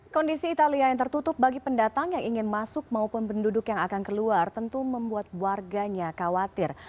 kondisi italia yang tertutup bagi pendatang yang ingin masuk maupun penduduk yang akan keluar tentu membuat warganya khawatir